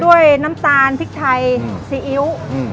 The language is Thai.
น้ำตาลพริกไทยซีอิ๊ว